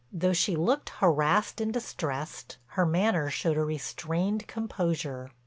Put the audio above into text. Though she looked harassed and distressed, her manner showed a restrained composure.